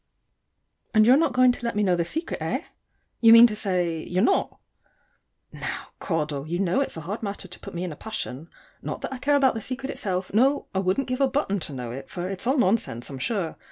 And you're not going to let me know the secret, eh? You mean to say you're not? Now, Caudle, you know it's a hard matter to put me in a passion not that I care about the secret itself; no, I wouldn't give a button to know it, for it's all nonsense, I'm sure.